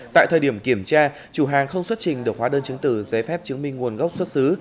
tại thời điểm kiểm tra chủ hàng không xuất trình được hóa đơn chứng từ giấy phép chứng minh nguồn gốc xuất xứ